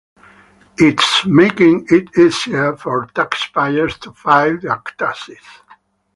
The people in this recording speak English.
it’s making it easier for taxpayers to file their taxes